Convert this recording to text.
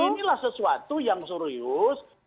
inilah sesuatu yang serius